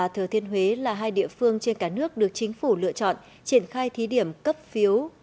thừa thiên huế là hai địa phương trên cả nước được chính phủ lựa chọn triển khai thí điểm cấp phiếu